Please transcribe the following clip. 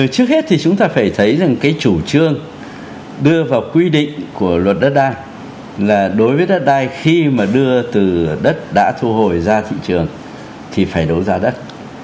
trước hết thì chúng ta phải thấy rằng cái chủ trương đưa vào quy định của luật đất đai là đối với đất đai khi mà đưa từ đất đã thu hồi ra thị trường thì phải đấu giá đất